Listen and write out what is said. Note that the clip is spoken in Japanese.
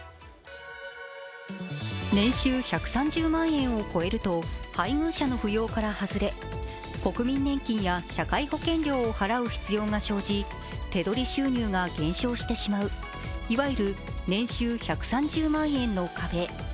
年収１３０万円を超えると配偶者の扶養から外れ国民年金や社会保険料を払う必要が生じ手取り収入が減少してしまういわゆる年収１３０万円の壁。